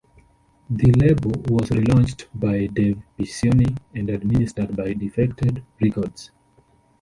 The label was re launched by Dave Piccioni and administered by Defected Records.